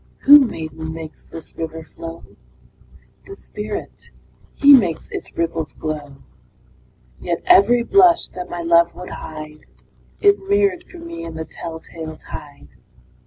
II. Who, maiden, makes this river flow? The Spirit he makes its ripples glow Yet every blush that my love would hide, Is mirror'd for me in the tell tale tide.